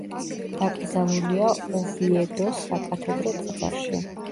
დაკრძალულია ოვიედოს საკათედრო ტაძარში.